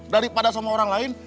daripada sama orang lain